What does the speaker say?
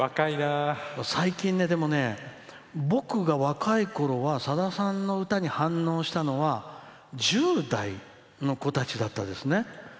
最近ね、でもね、僕が若いころはさださんの歌に反応したのは１０代の子たちだったですね。